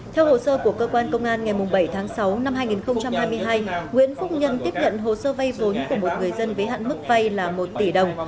theo hồ sơ của cơ quan công an ngày bảy tháng sáu năm hai nghìn hai mươi hai nguyễn phúc nhân tiếp nhận hồ sơ vay vốn của một người dân với hạn mức vay là một tỷ đồng